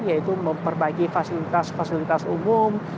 yaitu memperbaiki fasilitas fasilitas umum